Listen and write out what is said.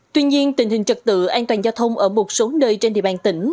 tuy nhiên tình hình trật tự an toàn giao thông ở một số nơi trên địa bàn tỉnh